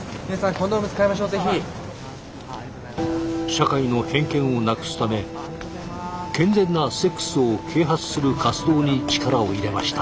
社会の偏見をなくすため健全なセックスを啓発する活動に力を入れました。